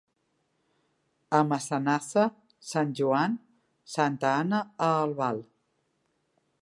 A Massanassa, Sant Joan; Santa Anna a Albal.